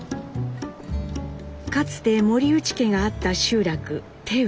かつて森内家があった集落手打。